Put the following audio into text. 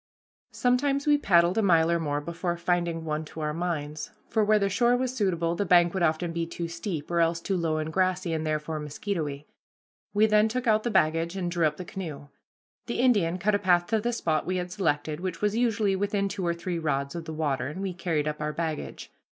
Sometimes we paddled a mile or more before finding one to our minds, for where the shore was suitable the bank would often be too steep, or else too low and grassy, and therefore mosquitoey. We then took out the baggage and drew up the canoe. The Indian cut a path to the spot we had selected, which was usually within two or three rods of the water, and we carried up our baggage.